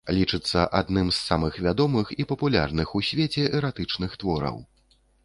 Лічыцца адным з самых вядомых і папулярных у свеце эратычных твораў.